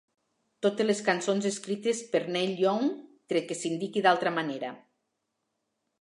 Totes les cançons escrites per Neil Young, tret que s'indiqui d'altra manera.